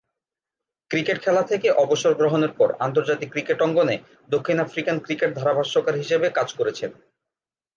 Cricket খেলা থেকে অবসর গ্রহণের পর আন্তর্জাতিক ক্রিকেট অঙ্গনে দক্ষিণ আফ্রিকান ক্রিকেট ধারাভাষ্যকার হিসেবে কাজ করছেন।